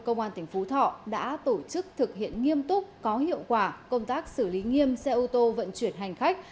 công an tỉnh phú thọ đã tổ chức thực hiện nghiêm túc có hiệu quả công tác xử lý nghiêm xe ô tô vận chuyển hành khách